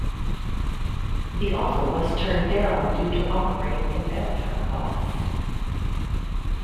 The offer was turned down due to operating and manpower costs.